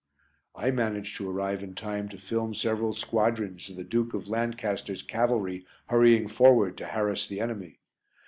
I managed to arrive in time to film several squadrons of the Duke of Lancaster's cavalry hurrying forward to harass the enemy.